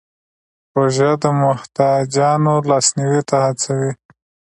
روژه د محتاجانو لاسنیوی ته هڅوي.